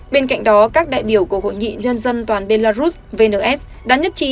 bên cạnh đó các đại biểu của hội nghị nhân dân toàn belarus vns đã nhất trí